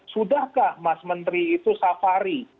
sudahkah mas menteri itu safari